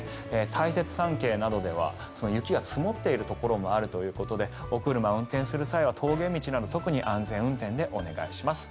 大雪山系などでは雪が積もっているところもあるということでお車、運転する際は峠道など特に安全運転でお願いします。